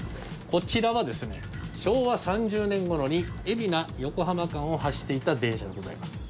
こちらはですね昭和３０年ごろに海老名横浜間を走っていた電車でございます。